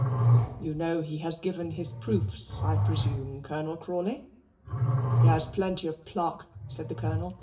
You know he has given his proofs, I presume, Colonel Crawley?" "He has plenty of pluck," said the Colonel.